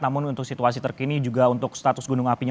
namun untuk situasi terkini juga untuk status gunung apinya